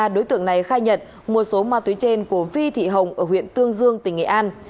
đối tượng này khai nhật một số ma túy trên của vi thị hồng ở huyện tương dương tỉnh nghệ an